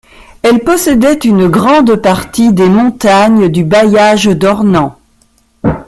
Elle possédait une grande partie des montagnes du bailliage d'Ornans.